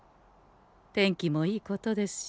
天気もいいことですし